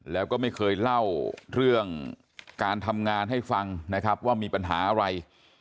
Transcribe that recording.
แล้วก็ไม่เคยเล่าเรื่องการทำงานให้ฟังนะครับว่ามีปัญหาอะไร